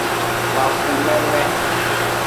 Bafo meme.